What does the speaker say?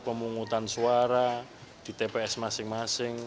pemungutan suara di tps masing masing